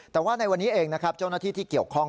แต่ว่าในวันนี้เองนะครับเจ้าหน้าที่ที่เกี่ยวข้อง